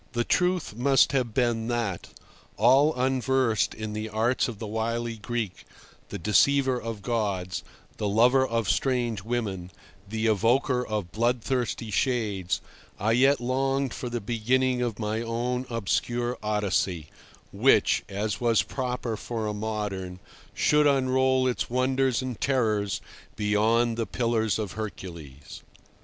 The truth must have been that, all unversed in the arts of the wily Greek, the deceiver of gods, the lover of strange women, the evoker of bloodthirsty shades, I yet longed for the beginning of my own obscure Odyssey, which, as was proper for a modern, should unroll its wonders and terrors beyond the Pillars of Hercules.